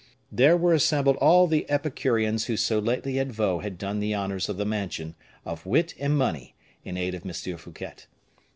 There were assembled all the Epicureans who so lately at Vaux had done the honors of the mansion of wit and money in aid of M. Fouquet.